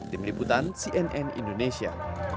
tim liputan cnn indonesia